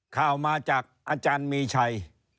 ข่าวมาจากอาจารย์มีชัย